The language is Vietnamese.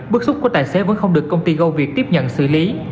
bức xúc của tài xế vẫn không được công ty goviet tiếp nhận xử lý